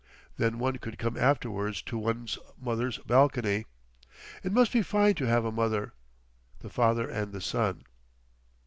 Then one could come afterwards to one's mother's balcony.... It must be fine to have a mother. The father and the son..."